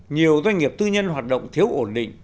nhiều doanh nghiệp tư nhân hoạt động thiếu ổn định